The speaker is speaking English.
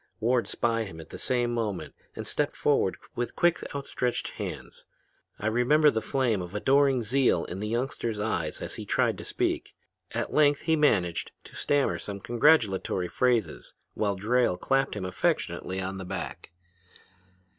Ward spied him at the same moment and stepped forward with quick outstretched hands. I remember the flame of adoring zeal in the youngster's eyes as he tried to speak. At length he managed to stammer some congratulatory phrases while Drayle clapped him affectionately on the back.